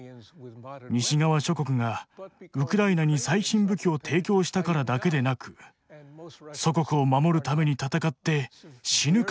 西側諸国がウクライナに最新武器を提供したからだけでなく祖国を守るために戦って死ぬ覚悟があるからです。